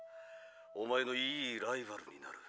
おまえのいいライバルになる。